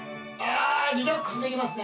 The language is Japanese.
リラックスできますね。